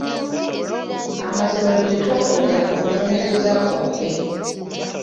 Amasomero gye etwakolera okunoonyereza kwaffe.